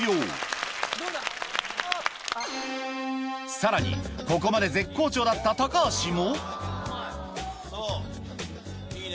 さらにここまで絶好調だったいいね！